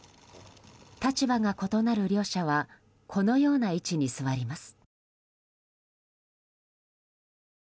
立場が異なる両者はこのような位置に座ります。